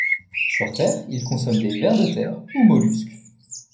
Sur terre, il consomme des vers de terre, ou mollusques.